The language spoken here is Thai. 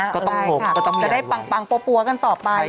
ก็ต้องบอกนะวะอะไรอาจจะได้ปังปวะกันต่อไป